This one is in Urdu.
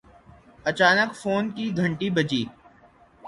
اچانک فون کی گھنٹی بجی